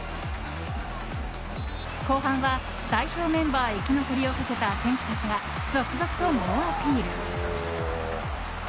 後半は代表メンバー生き残りをかけた選手たちが続々と猛アピール。